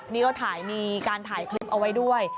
นี่ก็ถ่ายมีการถ่ายคลิปเอาไว้ด้วย